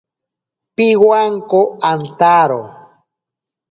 Pibwanko antaro.